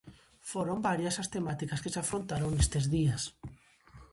Foron varias as temáticas que se afrontaron nestes días.